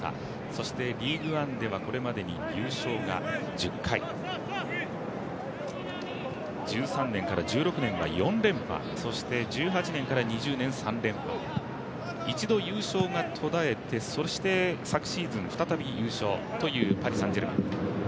そしてリーグ・アンではこれまでに優勝が１０回、１３年から１６年は４連覇、１８年から２０年、３連覇一度優勝が途絶えて、昨シーズン再び優勝というパリ・サン＝ジェルマン。